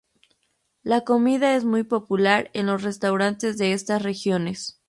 La comida es muy popular en los restaurantes de estas regiones.